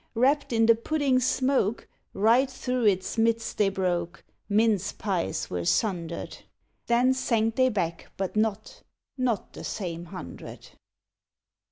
Wrapped in the pudding's smoke, Right through its midst they broke, Mince pies were sundered ! Then sank they back ; but not — Not the same hundred.